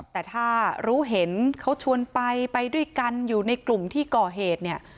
แต่ถ้ารู้เห็นเขาชวนไปไปด้วยกันอยู่ในกลุ่มที่ก่อเหตุเนี่ย